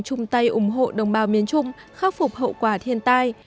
chung tay ủng hộ đồng bào miền trung khắc phục hậu quả thiên tai